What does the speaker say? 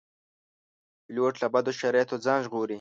پیلوټ له بدو شرایطو ځان ژغوري.